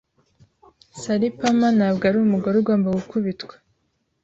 Sally Palmer ntabwo ari umugore ugomba gukubitwa.